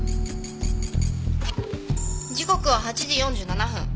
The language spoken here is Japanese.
時刻は８時４７分。